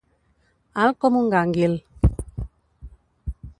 Alt com un gànguil.